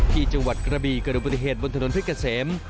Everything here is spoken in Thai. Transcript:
ที่จังหวัดกระบีเกิดอุบัติเหตุบนถนนเพชรเกษม